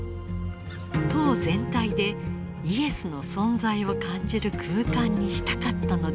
塔全体でイエスの存在を感じる空間にしたかったのではないか。